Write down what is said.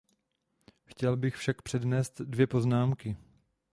Chtěl bych však přednést dvě poznámky.